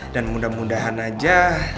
dan mudah mudahan aja